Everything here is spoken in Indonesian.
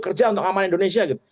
kerja untuk aman indonesia gitu